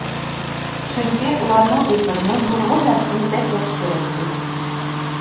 چۈنكى ئۇلارنىڭ ئۆزلىرىمۇ نۇرغۇن نەرسىنى بەك ياخشى كۆرەتتى.